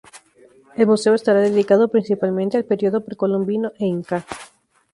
El museo estará dedicado principalmente al periodo precolombino e inca.